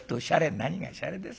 「何がしゃれです